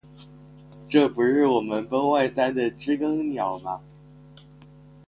这不是我们崩坏三的知更鸟吗